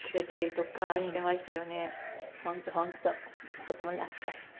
とても懐かしい。